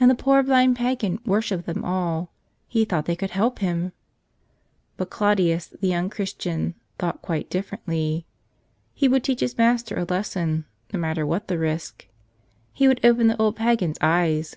And the poor blind pagan worshipped them all. He thought they could help him! But Claudius, the young Christian, thought quite differently. He would teach his master a lesson, no matter what the risk. He would open the old pagan's eyes